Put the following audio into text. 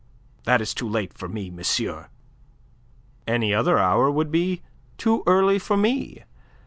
"That is too late for me, monsieur." "Any other hour would be too early for me.